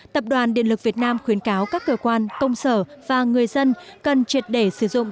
tập đoàn điện lực việt nam khuyến cáo các cơ quan công sở và người dân cần triệt để sử dụng